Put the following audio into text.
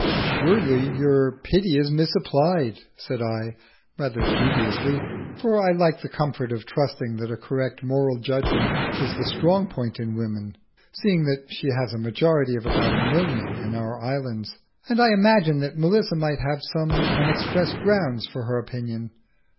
"Surely your pity is misapplied," said I, rather dubiously, for I like the comfort of trusting that a correct moral judgment is the strong point in woman (seeing that she has a majority of about a million in our islands), and I imagined that Melissa might have some unexpressed grounds for her opinion.